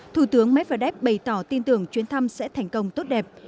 thủ tướng medvedev bày tỏ tin tưởng chuyến thăm sẽ thành công tốt đẹp